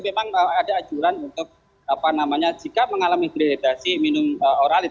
memang ada ajuran untuk jika mengalami dehidrasi minum oralid